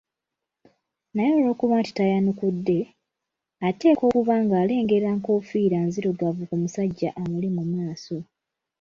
Naye olw’okuba nti tayanukudde, ateekwa okuba ng’alengera nkofiira nzirugavu ku musajja amuli mu maaso.